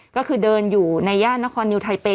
ก็คือเดินอยู่ในย่านนครนิวไทเป